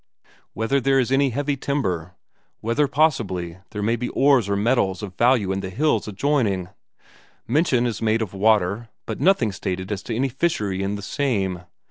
Whether there is any heavy timber. Whether possibly there may be ores or metals of value an the hills adjoining. Mention is made of water, but nothing stated as to any fishery in the same.